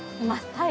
はい。